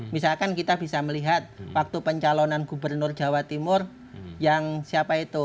misalkan kita bisa melihat waktu pencalonan gubernur jawa timur yang siapa itu